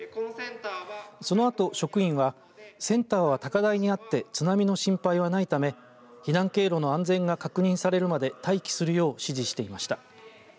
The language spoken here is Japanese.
そのあと職員はセンターは高台にあって津波の心配はないため避難経路の安全が確認されるまで待機するよう指示していました。